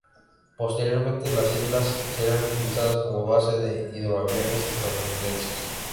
Posteriormente, las islas serían utilizadas como base de hidroaviones estadounidenses.